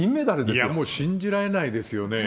いや、もう信じられないですよね。